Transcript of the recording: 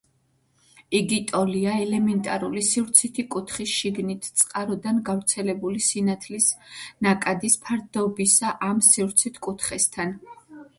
იგი ტოლია ელემენტარული სივრცითი კუთხის შიგნით წყაროდან გავრცელებული სინათლის ნაკადის ფარდობისა ამ სივრცით კუთხესთან.